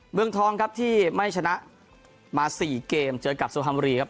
เมืองทองครับที่ไม่ชนะมา๔เกมเจอกับสุพรรณบุรีครับ